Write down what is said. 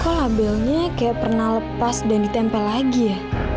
kok labelnya kayak pernah lepas dan ditempel lagi ya